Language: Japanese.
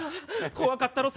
怖かったろ